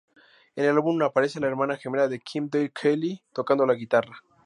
En el álbum aparece la hermana gemela de Kim Deal Kelley tocando la guitarra.